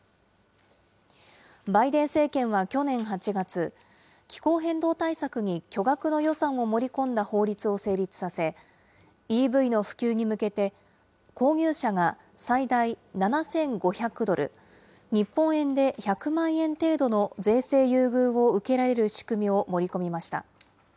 バイデン政権は去年８月、気候変動対策に巨額の予算を盛り込んだ法律を成立させ、ＥＶの普及に向けて、購入者が最大７５００ドル、日本円で１００万円程度の税制優遇を受けられる仕組みを盛り込みました。